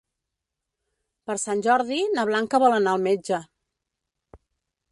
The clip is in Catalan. Per Sant Jordi na Blanca vol anar al metge.